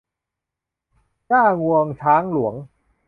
หญ้างวงช้างหลวง